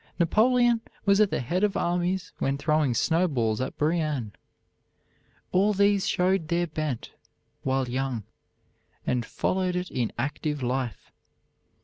Napoleon was at the head of armies when throwing snowballs at Brienne. All these showed their bent while young, and followed it in active life.